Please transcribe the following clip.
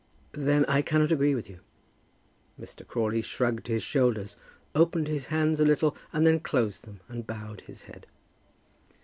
"Then I cannot agree with you." Mr. Crawley shrugged his shoulders, opened his hands a little and then closed them, and bowed his head.